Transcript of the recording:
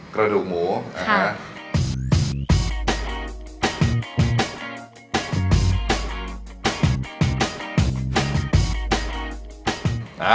ขะดุ๋ผิวค่ะ